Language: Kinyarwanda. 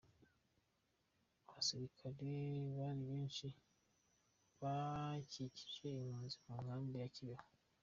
Abasilikare bari benshi bakikije impunzi mu nkambi ya Kibeho.